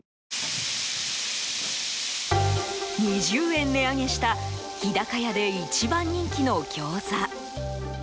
２０円値上げした日高屋で一番人気の餃子。